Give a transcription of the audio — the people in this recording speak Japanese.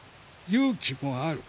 勇気もある。